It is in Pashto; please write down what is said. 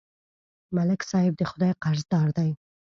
ملک صاحب د خدای قرضدار دی.